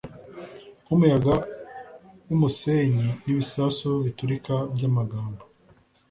nkumuyaga wumusenyi nibisasu biturika byamagambo ,,,